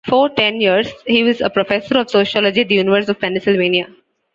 For ten years, he was a professor of sociology at the University of Pennsylvania.